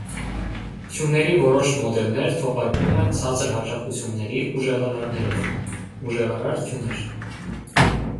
Թյուների որոշ մոդելներ թողարկվում են ցածր հաճախությունների ուժեղալարներով (ուժեղարար թյուներ)։